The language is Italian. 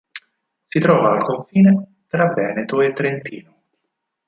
Si trova al confine tra Veneto e Trentino.